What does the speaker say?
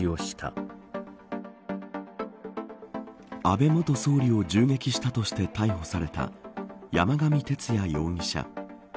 安倍元総理を銃撃したとして逮捕された山上徹也容疑者。